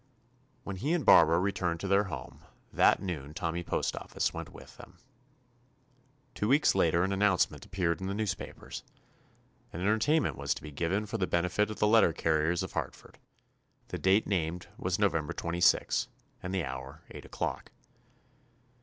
When he and Barbara returned to their home that noon Tommy Post office went with them. Two weeks later an announcement appeared in the newspapers. An en tertainment was to be given for the benefit of the letter carriers of Hart ford. The date named was Novem ber 26, and the hour eight o'clock.